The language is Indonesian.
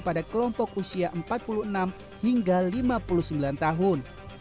pada kelompok usia empat puluh enam hingga lima puluh sembilan tahun